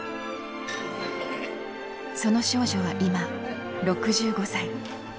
その少女は今６５歳。